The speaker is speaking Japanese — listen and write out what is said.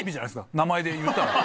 名前でいったら。